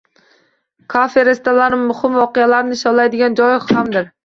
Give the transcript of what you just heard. Kafe-restoranlar muhim voqealarni nishonlaydigan joy hamdir.